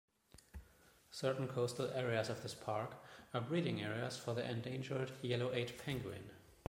Certain coastal areas of this park are breeding areas for the endangered yellow-eyed penguin.